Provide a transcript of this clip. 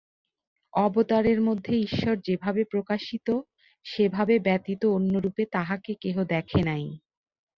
অবতারের মধ্যে ঈশ্বর যেভাবে প্রকাশিত, সেভাবে ব্যতীত অন্যরূপে তাঁহাকে কেহ দেখে নাই।